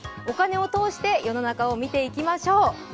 お金を通して世の中を見ていきましょう。